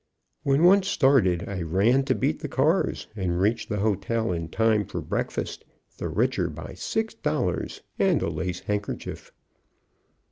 When once started, I ran to beat the cars, and reached the hotel in time for breakfast, the richer by six dollars and a lace handkerchief.